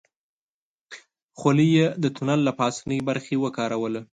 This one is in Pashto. خولۍ يې د تونل له پاسنۍ برخې وکاروله.